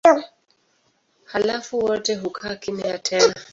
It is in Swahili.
Halafu wote hukaa kimya tena.